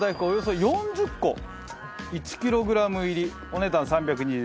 およそ４０個１キログラム入りお値段３２１円。